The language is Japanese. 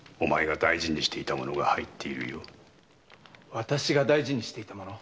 私が大事にしていたもの？